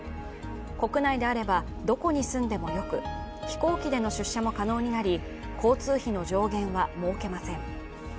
国内であればどこに住んでもよく飛行機での出社も可能になり交通費の上限は設けません。